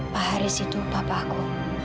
pak haris itu papa aku